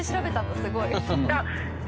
すごい。